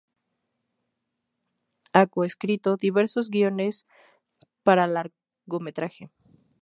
Ha co-escrito diversos guiones para largometraje.